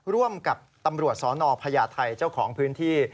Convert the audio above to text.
ร่วมกับตำรวจสนพญาไทยเจ้าของพื้นที่